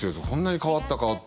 そんなに変わったか？